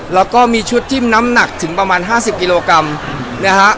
แล้วก็มีชุดจิ้มน้ำหนักถึงประมาณ๕๐กิโลกรัมนะฮะ